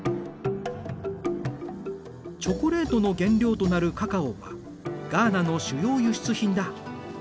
チョコレートの原料となるカカオはガーナの主要輸出品だ。